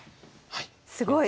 すごい！